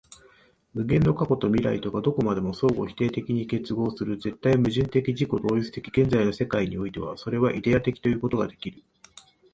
無限の過去と未来とがどこまでも相互否定的に結合する絶対矛盾的自己同一的現在の世界においては、それはイデヤ的ということができる。